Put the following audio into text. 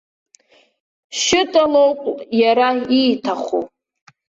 Шьыта лоуп иара ииҭаху.